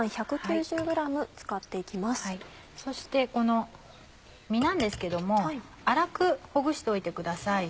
そしてこの身なんですけども粗くほぐしておいてください。